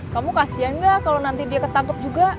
kamu kasihan gak kalau nanti dia ketangkep juga